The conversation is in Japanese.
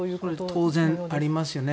当然ありますよね。